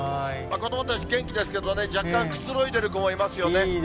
子どもたち元気ですけどね、若干くつろいでる子もいますよね。